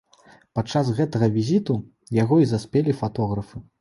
Падчас гэтага візіту яго і заспелі фатографы.